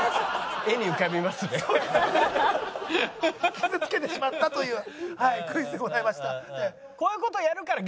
傷つけてしまったというクイズでございました。